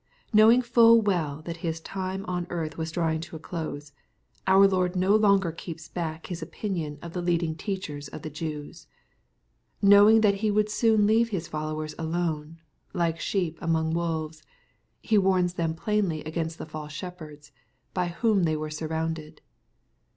Knowing full well that His time on earth was drawing to a close, our Lord no longer keeps back his opinion of the leading MATTHEW, CHAP. XXIII. 297 teachers of the Jews. Knowing that He would soon leave His followers alone, like sheep among wolves, He warns them plainly against the false shepherds, by whom they were surrounded.